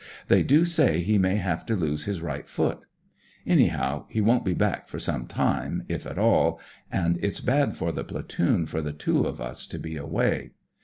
They do say he may have to lose his right foot. Any how, he won't be back for some time, if at all ; and it's bad for the platoon for the two of us to be away.